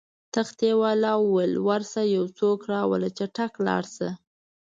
تختې والاو وویل: ورشه یو څوک راوله، چټک لاړ شه.